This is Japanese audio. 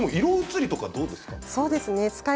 色移りはどうですか。